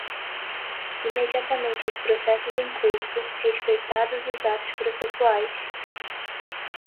imediatamente aos processos em curso, respeitados os atos processuais